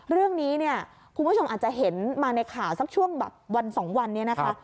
เรื่องนี้เนี่ยคุณผู้ชมอาจจะเห็นมาในข่าวสักช่วงแบบวันสองวันนี้นะคะ